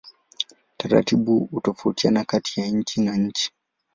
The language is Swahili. Taratibu hutofautiana kati ya nchi na nchi.